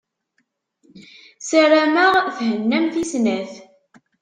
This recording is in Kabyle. Sarameɣ thennamt i snat.